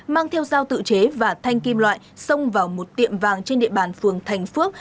mang theo dao tự chế và thanh kim loại xông vào một tiệm vàng trên địa bàn phường thành phước